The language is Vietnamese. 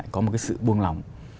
có một cái sự buông lòng